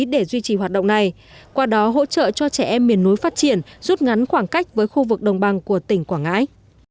để duy trì hoạt động này qua đó hỗ trợ cho trẻ em miền núi phát triển rút ngắn khoảng cách với khu vực đồng bằng của tỉnh quảng ngãi